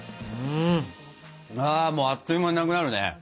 あもうあっという間になくなるね。